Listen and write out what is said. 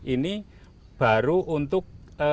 ini baru untuk